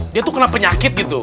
dia tuh kena penyakit gitu